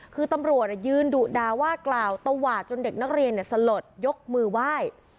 คือตำรวจยืนดุดาว่ากล่าวตวาดจนเด็กนักเรียนสลดยกมือไหว้